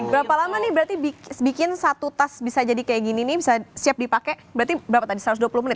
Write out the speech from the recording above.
berapa lama nih berarti bikin satu tas bisa jadi kayak gini nih bisa siap dipakai berarti berapa tadi satu ratus dua puluh menit